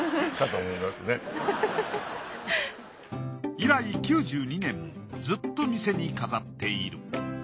以来９２年ずっと店に飾っている。